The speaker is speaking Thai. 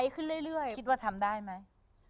คิดว่าทำได้มั้ย